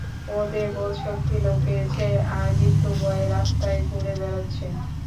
ওদের বোধশক্তি লোপ পেয়েছে আর মৃত্যু ভয়ে রাস্তায় ঘুরে বেড়াচ্ছে।